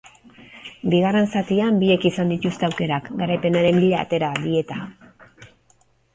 Bigarren zatian biek izan dituzte aukerak, garaipenaren bila atera dieta.